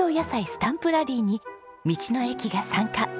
スタンプラリーに道の駅が参加。